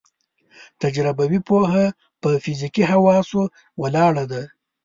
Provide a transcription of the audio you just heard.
تجربوي پوهه په فزیکي حواسو ولاړه ده.